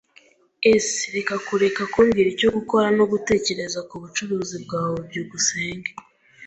[S] Reka kureka kumbwira icyo gukora no gutekereza kubucuruzi bwawe. byukusenge